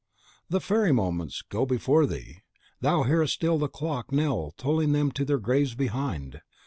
The fairy moments go before thee; thou hearest still the clock knell tolling them to their graves behind.